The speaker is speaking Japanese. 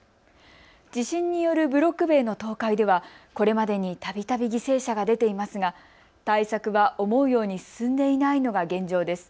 地震によるブロック塀の倒壊ではこれまでにたびたび犠牲者が出ていますが対策は思うように進んでいないのが現状です。